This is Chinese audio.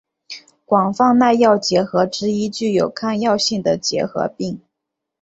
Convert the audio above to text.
广泛耐药结核之一具有抗药性的结核病。